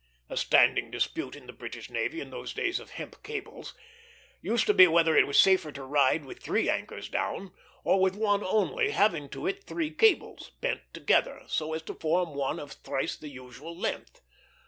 A standing dispute in the British navy, in those days of hemp cables, used to be whether it was safer to ride with three anchors down, or with one only, having to it three cables, bent together, so as to form one of thrice the usual length.